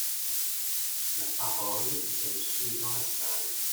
La parole est à Monsieur Jean Lassalle.